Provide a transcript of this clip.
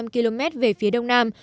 bảy trăm linh km về phía đông nam